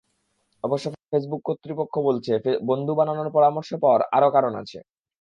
অবশ্য ফেসবুক কর্তৃপক্ষ বলছে, বন্ধু বানানোর পরামর্শ পাওয়ার আরও কারণ আছে।